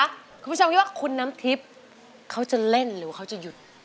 คุณผู้ชมคิดว่าคุณน้ำทิพย์เขาจะเล่นหรือเขาจะหยุด